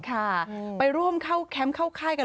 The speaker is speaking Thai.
ค่ะไปร่วมเข้าแคมป์เข้าค่ายกัน